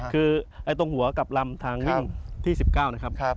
คือตรงหัวกับลำทางวิ่งที่๑๙นะครับ